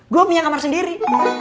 gua punya kamar sendiri